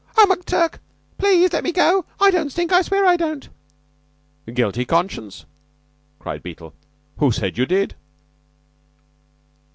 "Oh, McTurk, please let me go. I don't stink I swear I don't!" "Guilty conscience!" cried Beetle. "Who said you did?"